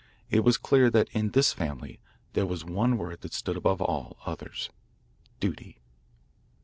It was clear that in this family there was one word that stood above all others, "Duty."